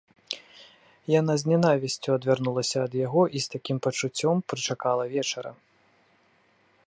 Яна з нянавісцю адвярнулася ад яго і з такім пачуццем прычакала вечара.